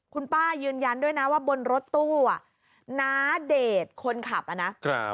คุณป้ายืนยันด้วยนะว่าบนรถตู้อ่ะน้าเดชคนขับอ่ะนะ